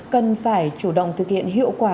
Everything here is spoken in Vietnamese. cần phải chủ động thực hiện hiệu quả